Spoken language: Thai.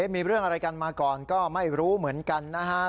มีเรื่องอะไรกันมาก่อนก็ไม่รู้เหมือนกันนะครับ